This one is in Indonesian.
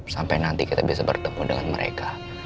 sampai nanti kita bisa bertemu dengan mereka